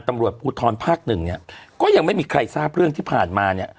ตำรวจภูทรภาคหนึ่งเนี่ยก็ยังไม่มีใครทราบเรื่องที่ผ่านมาเนี่ย